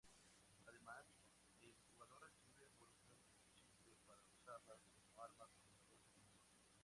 Además, el jugador recibe bolas de chicle para usarlas como arma contra los enemigos.